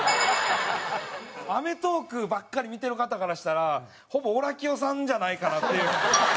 『アメトーーク』ばっかり見てる方からしたらほぼオラキオさんじゃないかなっていう。